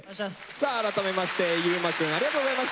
さあ改めまして優馬くんありがとうございました！